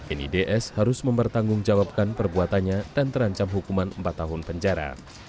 ini ds harus mempertanggungjawabkan perbuatannya dan terancam hukuman empat tahun penjara